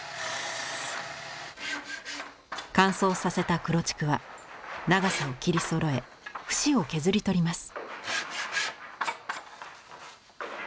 乾燥させた黒竹は長さを切りそろえ節を削り取ります。